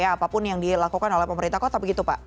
apapun yang dilakukan oleh pemerintah kota begitu pak